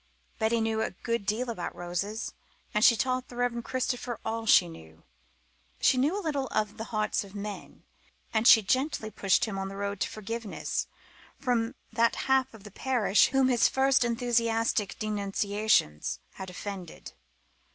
Betty knew a good deal about roses, and she taught the Reverend Christopher all she knew. She knew a little of the hearts of men, and she gently pushed him on the road to forgiveness from that half of the parish whom his first enthusiastic denunciations had offended.